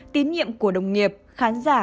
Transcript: tín nhiệm của đồng nghiệp khán giả